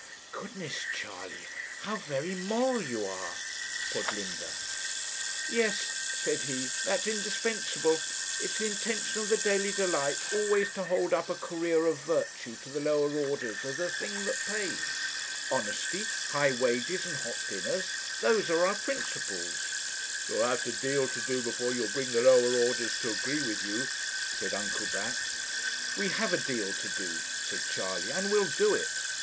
'Goodness, Charley how very moral you are!' said Linda. 'Yes,' said he; 'that's indispensable. It's the intention of the Daily Delight always to hold up a career of virtue to the lower orders as the thing that pays. Honesty, high wages, and hot dinners. Those are our principles.' 'You'll have a deal to do before you'll bring the lower orders to agree with you,' said Uncle Bat. 'We have a deal to do,' said Charley, 'and we'll do it.